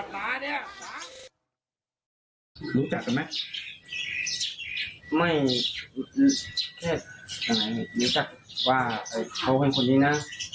รู้จักกันไหมไม่แค่ไหนรู้จักว่าเขาเป็นคนนี้นะ